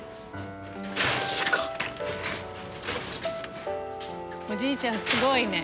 すごい。おじいちゃんすごいね。